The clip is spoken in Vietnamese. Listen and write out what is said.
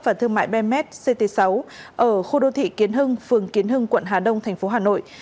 và thương mại bemet ct sáu ở khu đô thị kiến hưng phường kiến hưng quận hà đông tp hà nội